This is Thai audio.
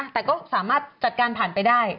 แต่ก็สามารถจัดการผ่านไปได้